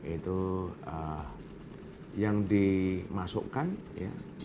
itu yang dimasukkan yang dikirim lewat